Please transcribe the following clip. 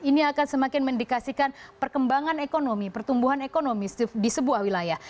ini akan semakin mendikasikan perkembangan ekonomi pertumbuhan ekonomi di sebuah wilayah